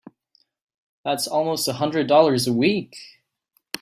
That's almost a hundred dollars a week!